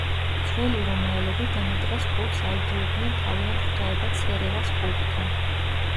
ძველი რომაელები დემეტრას კულტს აიგივებდნენ თავიანთ ღვთაება ცერერას კულტთან.